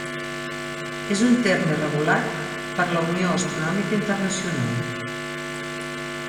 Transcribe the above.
És un terme regulat per la Unió Astronòmica Internacional.